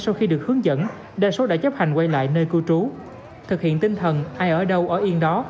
sau khi được hướng dẫn đa số đã chấp hành quay lại nơi cư trú thực hiện tinh thần ai ở đâu ở yên đó